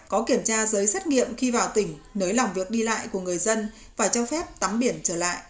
có kiểm tra giới xét nghiệm khi vào tỉnh nới lòng việc đi lại của người dân và cho phép tắm biển trở lại